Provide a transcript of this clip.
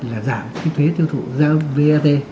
là giảm cái thuế thiếu thùng vat